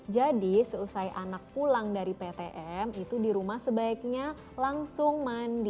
jadi selesai anak pulang dari ptm itu di rumah sebaiknya langsung mandi